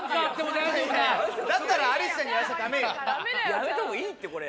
やめた方がいいってこれ。